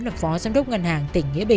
nó ra hè nó ngồi